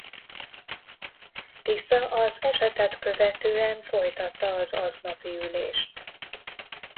Tisza az esetet követően folytatta az aznapi ülést.